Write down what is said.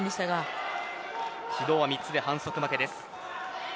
指導は３つで反則負けです。